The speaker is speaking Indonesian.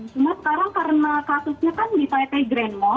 cuma sekarang karena kasusnya kan di taipei grand mosque